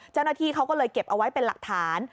เจ้าหน้าที่เขาก็เลยเก็บเอาไว้เป็นหลักฐาน